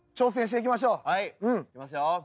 行きますよ